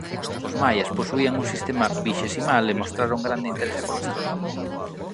Os maias posuían un sistema vixesimal e mostraron grande interese pola astronomía.